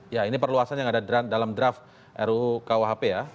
ya ini perluasannya yang ada dalam draft rukuhp ya